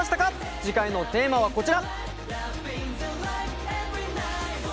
次回のテーマはこちら！